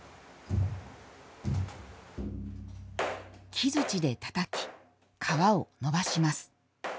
木づちでたたき革を伸ばします。